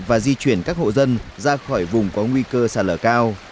và di chuyển các hộ dân ra khỏi vùng có nguy cơ sạt lở cao